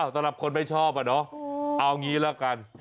สำหรับคนไม่ชอบอะเนาะเอางี้ละกัน